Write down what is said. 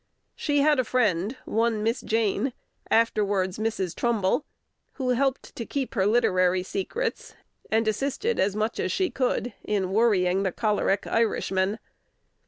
She had a friend, one Miss Jayne, afterwards Mrs. Trumbull, who helped to keep her literary secrets, and assisted as much as she could in worrying the choleric Irishman.